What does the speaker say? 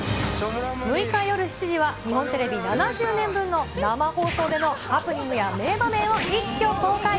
６日夜７時は日本テレビ７０年分の生放送でのハプニングや名場面を一挙公開。